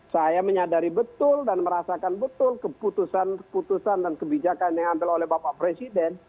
saya menyadari betul dan merasakan betul keputusan keputusan dan kebijakan yang diambil oleh bapak presiden